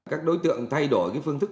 các đối tượng thay đổi phương thức